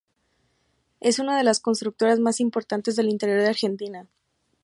Es una de las constructoras más importantes del interior de Argentina.